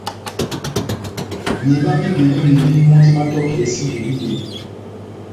Mihiba má ingelingeli mɔ́ndi mátɔkidɛsɛ ingelingeli.